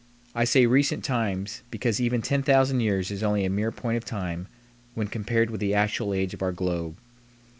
I say recent times, because even 10,000 years is only a mere point of time when compared with the actual age of our globe.